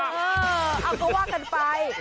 เอ่อห๊ังก็ว่ากันไป